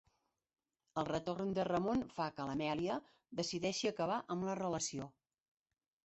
El retorn de Ramon fa que Amèlia decideixi acabar amb la relació.